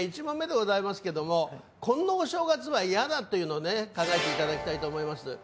１問目でございますけどもこんなお正月は嫌だというのをね考えていただきたいと思います。